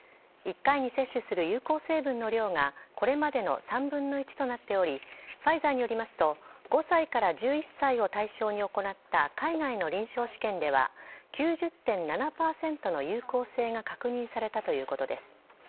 １回に接種する有効成分の量がこれまでの３分の１となっておりファイザーによりますと５歳から１１歳を対象に行った海外の臨床試験では９０．７％の有効性が確認されたということです。